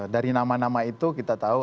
dari nama nama itu kita tahu